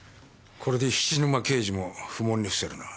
これで菱沼刑事も不問に付せるな。